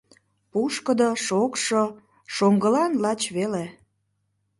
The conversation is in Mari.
Пушкыдо, шокшо, шоҥгылан лач веле.